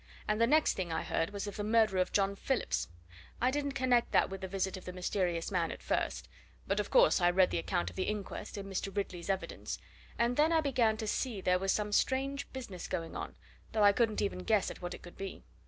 And the next thing I heard was of the murder of John Phillips. I didn't connect that with the visit of the mysterious man at first; but of course I read the account of the inquest, and Mr. Ridley's evidence, and then I began to see there was some strange business going on, though I couldn't even guess at what it could be.